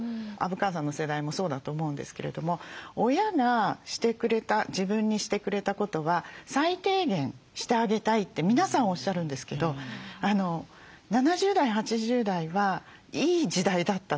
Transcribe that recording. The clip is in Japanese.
虻川さんの世代もそうだと思うんですけれども親がしてくれた自分にしてくれたことは最低限してあげたいって皆さんおっしゃるんですけど７０代８０代はいい時代だったので